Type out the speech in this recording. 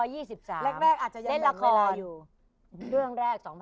อยู่กับโอเค